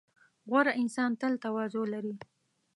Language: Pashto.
• غوره انسان تل تواضع لري.